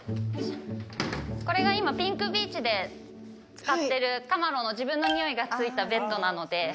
これが今ピンクビーチで使ってるカマロの自分のニオイがついたベッドなので。